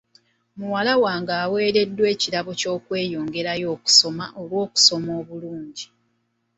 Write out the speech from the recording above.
Muwala wange aweereddwa ekirabo ky'okweyongerayo okusoma olw'okusoma obulungi.